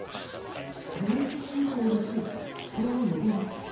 軍事侵攻についてこう述べました。